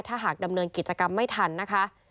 ถ้าหากดำเนินกิจกรรมไม่ทันนะคะ